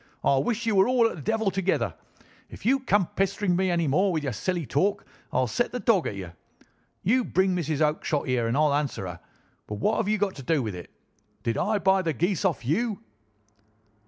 "I wish you were all at the devil together. If you come pestering me any more with your silly talk I'll set the dog at you. You bring Mrs. Oakshott here and I'll answer her, but what have you to do with it? Did I buy the geese off you?"